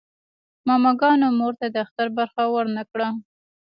ماماګانو مور ته د اختر برخه ورنه کړه.